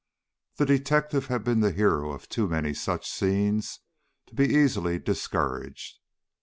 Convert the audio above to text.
The detective had been the hero of too many such scenes to be easily discouraged.